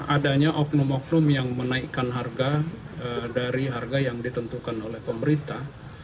adanya oknum oknum yang menaikkan harga dari harga yang ditentukan oleh pemerintah